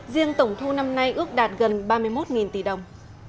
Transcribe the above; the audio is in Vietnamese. riêng tổng thu năm nay ước đạt gần ba mươi một tỷ đồng